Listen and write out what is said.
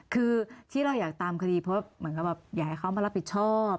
คือที่เราอยากตามคดีเพราะเหมือนกับแบบอยากให้เขามารับผิดชอบ